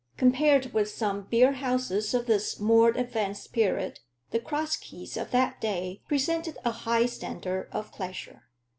Compared with some beerhouses of this more advanced period, the Cross Keys of that day presented a high standard of pleasure.